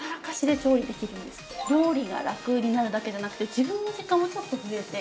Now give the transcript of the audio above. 料理がラクになるだけじゃなくて自分の時間もちょっと増えて。